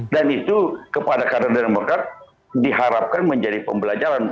dan itu kepada kadang kadang demokra diharapkan menjadi pembelajaran